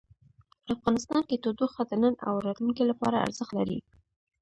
افغانستان کې تودوخه د نن او راتلونکي لپاره ارزښت لري.